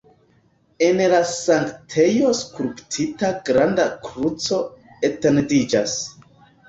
En la sanktejo skulptita granda kruco etendiĝas.